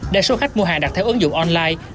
đa số khách mua hàng đặt theo ứng dụng online